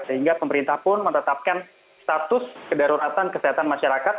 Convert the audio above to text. sehingga pemerintah pun menetapkan status kedaruratan kesehatan masyarakat